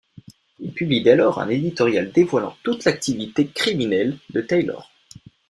Il publie dès lors un éditorial dévoilant toute l'activité criminelle de Taylor.